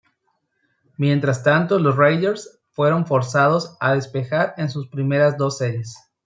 Mientras tanto los Raiders fueron forzados a despejar en sus primeras dos series.